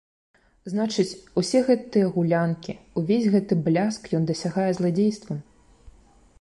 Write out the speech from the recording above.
Значыць, усе гэтыя гулянкі, увесь гэты бляск ён дасягае зладзействам.